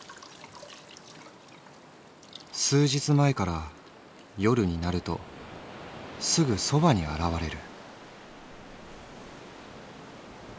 「数日まえから夜になるとすぐ傍に現れる」。